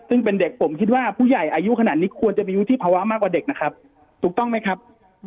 ซึ่งเป็นเด็กผมคิดว่าผู้ใหญ่อายุขนาดนี้ควรจะมีวุฒิภาวะมากกว่าเด็กนะครับถูกต้องไหมครับ